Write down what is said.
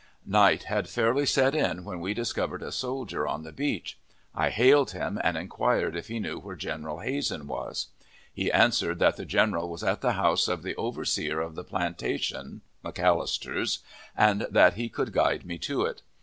Night had fairly set in when we discovered a soldier on the beach. I hailed him, and inquired if he knew where General Hazen was. He answered that the general was at the house of the overseer of the plantation (McAllister's), and that he could guide me to it.